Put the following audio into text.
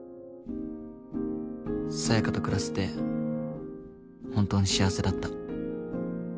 紗也香と暮らせて本当に幸せだった。